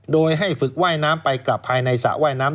โดยให้ฝึกว่ายน้ำไปกลับภายในสระว่ายน้ำ